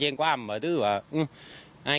แขนและไม่ขอโทษใครตาย